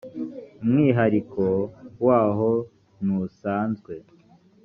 umwihariko waho ntusanzwe.